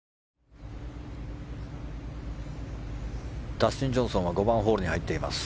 ダスティン・ジョンソンは５番ホールに入っています。